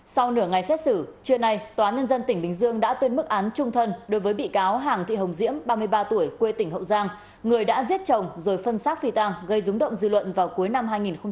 sau nửa ngày xét xử trưa nay tòa nhân dân tỉnh bình dương đã tuyên mức án trung thân đối với bị cáo hàng thị hồng diễm ba mươi ba tuổi quê tỉnh hậu giang người đã giết chồng rồi phân xác phi tàng gây rúng động dư luận vào cuối năm hai nghìn một mươi tám